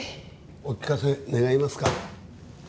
お聞かせ願えますか？